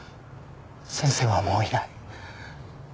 先生はもういない。